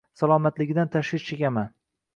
Salomatligidan tashvish chekaman